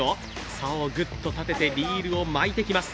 さおをぐっと立てて、リールを巻いていきます。